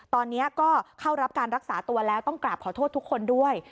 ตอนนี้ก็เข้ารับการรักษาตัวแล้วต้องกราบขอโทษทุกคนด้วย